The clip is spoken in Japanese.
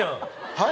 はい？